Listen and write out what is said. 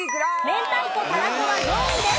明太子たらこは４位です。